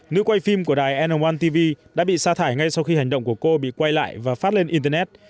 nữ quay phim của đài norm tv đã bị xa thải ngay sau khi hành động của cô bị quay lại và phát lên internet